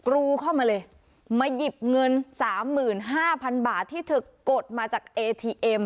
รูเข้ามาเลยมาหยิบเงิน๓๕๐๐๐บาทที่เธอกดมาจากเอทีเอ็ม